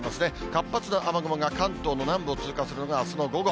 活発な雨雲が関東の南部を通過するのがあすの午後。